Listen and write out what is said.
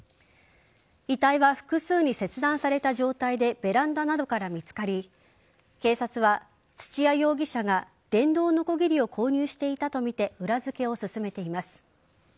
遺体は複数に切断された状態でベランダなどから見つかり警察は土屋容疑者が電動のこぎりを購入していたとみて裏付けを進めています。